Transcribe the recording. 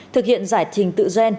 thực hiện giải trình tự doan